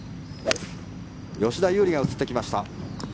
吉田優利が映ってきました。